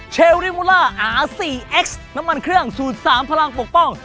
เชลริมูล่าอาซีเอ็กซ์น้ำมันเครื่องสูตร๓พลังปกป้อง